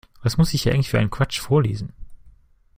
Was muss ich hier eigentlich für einen Quatsch vorlesen?